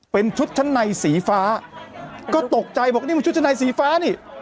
เป็นชุดชั้นในสีฟ้าก็ตกใจบอกนี่มันชุดชั้นในสีฟ้านี่